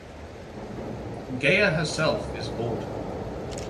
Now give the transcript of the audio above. Gaea herself is bored.